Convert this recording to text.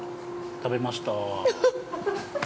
◆食べました